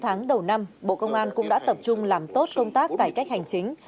sáu tháng đầu năm bộ công an cũng đã tập trung làm tốt công tác cải cách hành chính